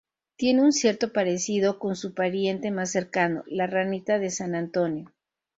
Tiene un cierto parecido con su pariente más cercano, la Ranita de San Antonio.